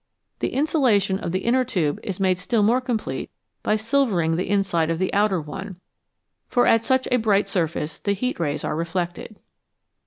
The insulation of the inner tube is made still more complete by silvering the inside of the outer one, for at such a bright surface the heat rays are reflected.